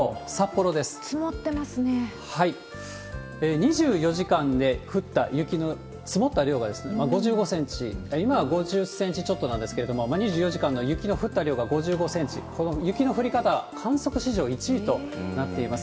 ２４時間で降った雪の積もった量がですね、５５センチ、今は５０センチちょっとなんですけれども、２４時間の雪の降った量が５５センチ、この雪の降り方、観測史上１位となっています。